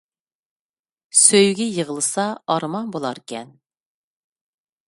سۆيگۈ يىغلىسا ئارمان بۇلار كەن